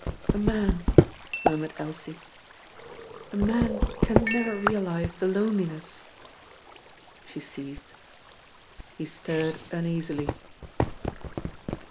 "A man," murmured Elsie, "a man can never realise the loneliness " She ceased. He stirred uneasily.